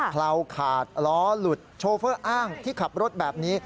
เลาขาดล้อหลุดโชเฟอร์อ้างที่ขับรถแบบนี้